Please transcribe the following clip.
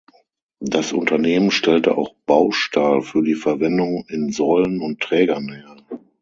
Das Unternehmen stellte auch Baustahl für die Verwendung in Säulen und Trägern her.